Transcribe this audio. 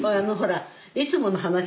ほらいつもの話。